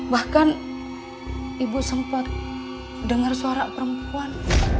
bahkan ibu sempat dengar suara perempuan